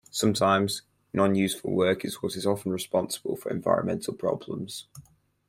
Sometimes, non-useful work is what is often responsible for environmental problems.